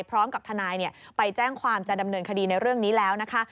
พร้อมกับทนายไปแจ้งความจะดำเนินคดีในเรื่องนี้แล้วนะคะ